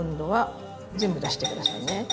全部出して下さいね。